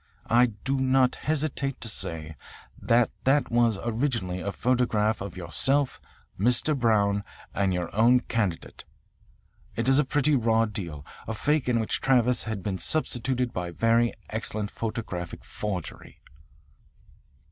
I do not hesitate to say that that was originally a photograph of yourself, Mr. Brown, and your own candidate. It is a pretty raw deal, a fake in which Travis has been substituted by very excellent photographic forgery."